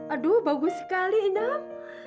aduh bagus sekali inam